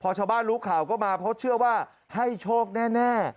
พอชาวบ้านรู้ข่าวก็มาเพราะเชื่อว่าให้โชคแน่